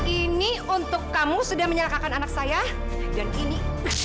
ini untuk kamu sudah menyalakan anak saya dan ini